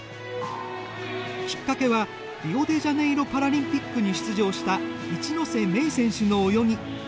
きっかけはリオデジャネイロパラリンピックに出場した一ノ瀬メイ選手の泳ぎ。